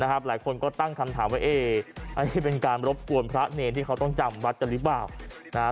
หลายคนก็ตั้งคำถามว่าอันนี้เป็นการรบกวนพระเนรที่เขาต้องจำวัดกันหรือเปล่านะฮะ